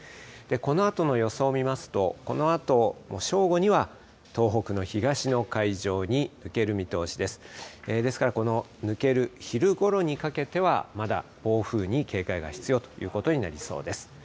このあとの予想を見ますと、このあと、正午には東北の東の海上に抜ける見通しです。ですからこの抜ける昼ごろにかけてはまだ暴風に警戒が必要ということになりそうです。